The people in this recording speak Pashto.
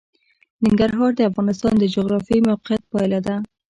ننګرهار د افغانستان د جغرافیایي موقیعت پایله ده.